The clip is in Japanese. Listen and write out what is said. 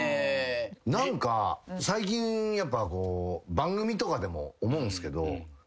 何か最近番組とかでも思うんすけど。